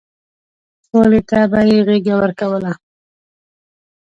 سولې ته به يې غېږه ورکوله.